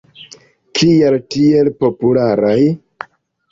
Kial tiel popularaj?